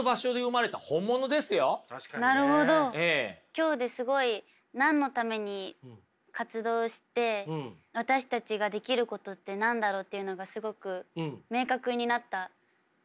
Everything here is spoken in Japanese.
今日ですごい何のために活動して私たちができることって何だろうっていうのがすごく明確になった気がしました